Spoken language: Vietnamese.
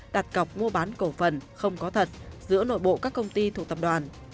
đặt cọc mua bán cổ phần không có thật giữa nội bộ các công ty thuộc tập đoàn